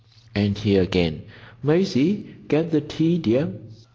And here again. (Maisie, get the tea, dear.)